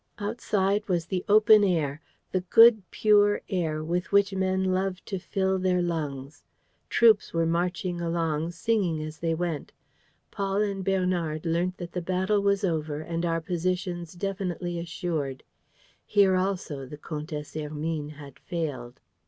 Outside was the open air, the good pure air with which men love to fill their lungs. Troops were marching along, singing as they went. Paul and Bernard learnt that the battle was over and our positions definitely assured. Here also the Comtesse Hermine had failed. ...